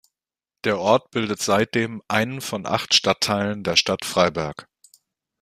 Der Ort bildet seitdem einen von acht Stadtteilen der Stadt Freiberg.